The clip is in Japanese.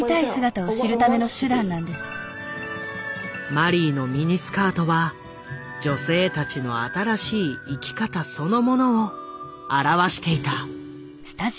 マリーのミニスカートは女性たちの新しい生き方そのものを表していた。